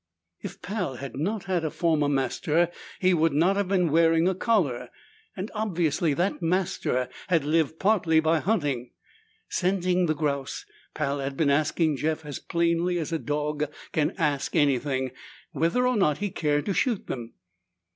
If Pal had not had a former master, he would not have been wearing a collar, and obviously that master had lived partly by hunting. Scenting the grouse, Pal had been asking Jeff, as plainly as a dog can ask anything, whether or not he cared to shoot them.